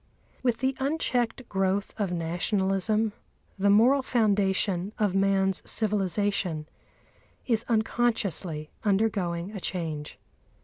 With the unchecked growth of Nationalism the moral foundation of man's civilisation is unconsciously undergoing a change.